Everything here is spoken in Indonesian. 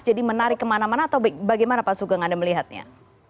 jadi menarik kemana mana atau bagaimana pak sugeng anda melihatnya